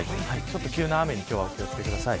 急な雨に今日はお気を付けください。